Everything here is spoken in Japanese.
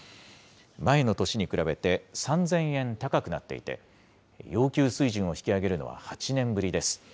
前の年に比べて３０００円高くなっていて、要求水準を引き上げるのは８年ぶりです。